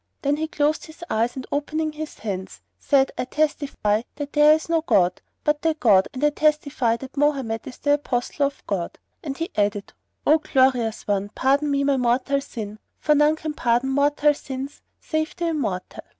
Then he closed his eyes and opening his hands, said I testify that there is no god but the God, and I testify that Mohammed is the Apostle of God!" And he added, "O glorious One, pardon me my mortal sin, for none can pardon mortal sins save the Immortal!"